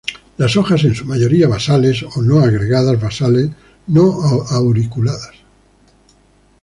Las hojas en su mayoría basales, o no agregadas, basales; no auriculadas.